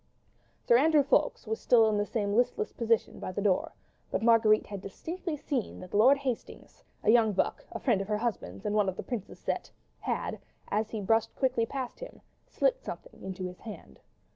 Sir Andrew Ffoulkes was still in the same listless position by the door, but Marguerite had distinctly seen that Lord Hastings—a young buck, a friend of her husband's and one of the Prince's set—had, as he quickly brushed past him, slipped something into his hand.